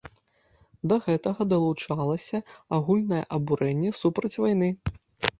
Да гэтага далучалася агульнае абурэнне супроць вайны.